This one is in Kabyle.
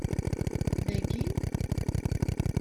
Dagi?